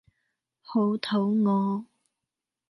好肚餓